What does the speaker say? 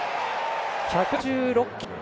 １５６キロ。